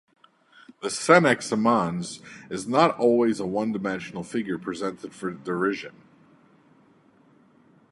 The "senex amans" is not always a one-dimensional figure presented for derision.